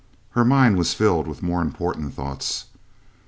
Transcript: Her mind was filled with more important thoughts.